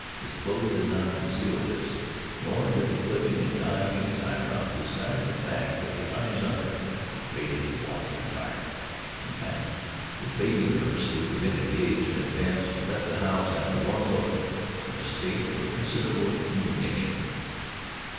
His clothes did not conceal this, nor did the clipping and dyeing of his eyebrows disguise the fact that the eyes underneath were faded and watery and tired. In fact, the baby nurse who had been engaged in advance left the house after one look, in a state of considerable indignation.